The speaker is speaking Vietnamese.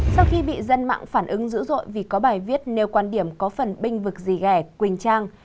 sau khi bị dân mạng phản ứng dữ dội vì có bài viết nêu quan điểm có phần binh vực gì ghẻ quỳnh trang